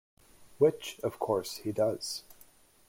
Which, of course, he does.